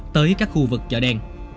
tới các khu vực chợ đen